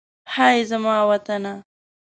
هئ! زما وطنه.